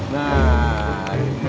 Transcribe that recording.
nah ini dia